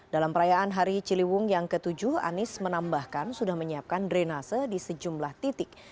dalam perayaan hari ciliwung yang ke tujuh anies menambahkan sudah menyiapkan drenase di sejumlah titik